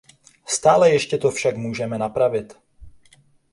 Stále ještě to však můžeme napravit.